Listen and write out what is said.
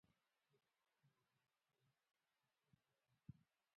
سلیمان غر د افغان کلتور سره تړاو لري.